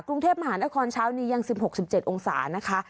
กรุงเทพมหานครเช้านี้ยังสิบหกสิบเจ็ดองศานะคะ